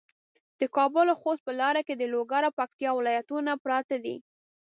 د کابل او خوست په لاره کې د لوګر او پکتیا ولایتونه پراته دي.